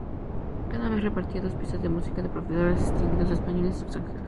Cada mes repartía dos piezas de música de profesores distinguidos, españoles o extranjeros.